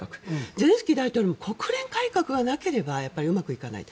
ゼレンスキー大統領も国連改革がなければうまくいかない。